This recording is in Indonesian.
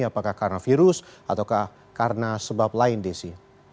apakah karena virus atau karena sebab lain desi